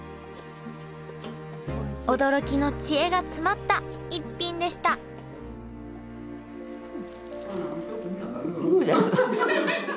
驚きの知恵が詰まった逸品でしたグーです。